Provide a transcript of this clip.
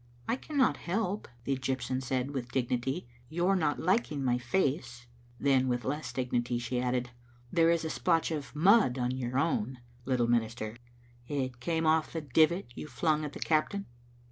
"I cannot help," the Egyptian said, with dignity, "your not liking my face." Then, with less dignity, she added, " There is a splotch of mud on your own, lit tle minister; it came off the divit you flung at the captain."